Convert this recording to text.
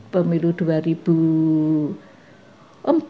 pemilu dua ribu empat kali pemilu